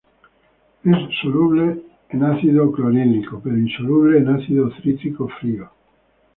Es soluble en ácido clorhídrico pero insoluble en ácido cítrico frío.